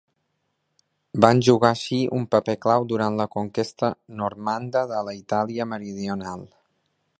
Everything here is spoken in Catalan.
Van jugar així un paper clau durant la conquesta normanda de la Itàlia meridional.